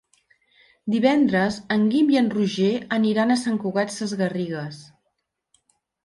Divendres en Guim i en Roger aniran a Sant Cugat Sesgarrigues.